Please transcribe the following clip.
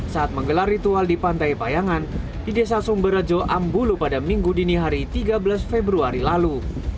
saat menggelar ritual di pantai payangan di desa sumberjo ambulu pada minggu dini hari tiga belas februari lalu